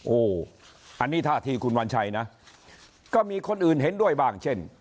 โอ้โหอันนี้ท่าทีคุณวัญชัยนะก็มีคนอื่นเห็นด้วยบ้างเช่น